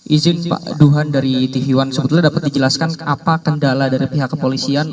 izin pak duhan dari tv one sebetulnya dapat dijelaskan apa kendala dari pihak kepolisian